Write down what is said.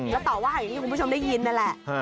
แล้วตอบว่านี่คุณผู้ชมได้ยินนั่นแหละ